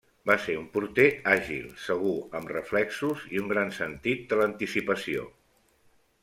Va ser un porter àgil, segur, amb reflexos i un gran sentit de l'anticipació.